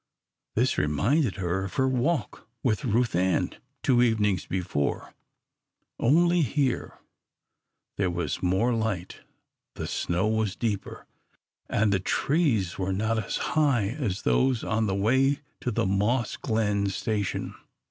This reminded her of her walk with Ruth Ann two evenings before, only here there was more light, the snow was deeper, and the trees were not as high as those on the way to the Moss Glen station.